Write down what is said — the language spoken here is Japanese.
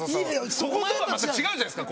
そことはまた違うじゃないですか